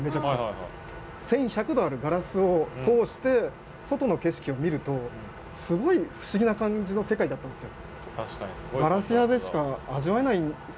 １，１００℃あるガラスを通して外の景色を見るとすごい不思議な感じの世界だったんですよ。